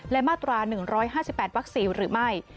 และมาตรา๑๕๘วัก๔หรือไม่